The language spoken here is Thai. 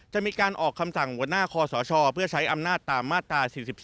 จะมีการออกคำสั่งหัวหน้าคอสชเพื่อใช้อำนาจตามมาตรา๔๒